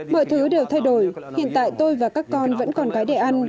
mọi thứ đều thay đổi hiện tại tôi và các con vẫn còn cái để ăn